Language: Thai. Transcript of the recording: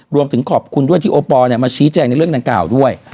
รวมถึงขอบคุณด้วยที่โอปอลมาชี้แจงในเรื่องดังกล่าวด้วย